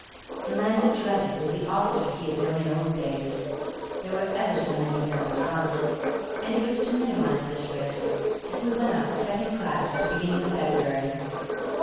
The man he dreaded was the officer he had known in old days; there were ever so many of him at the Front; and it was to minimize this risk that we went out second class at the beginning of February.